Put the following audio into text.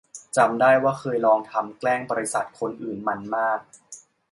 จำได้ว่าเคยลองทำ แกล้งบริษัทคนอื่น มันส์มาก